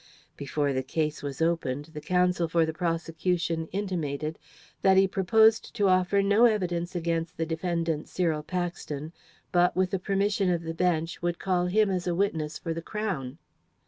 Before the case was opened the counsel for the prosecution intimated that he proposed to offer no evidence against the defendant, Cyril Paxton, but, with the permission of the Bench, would call him as a witness for the Crown.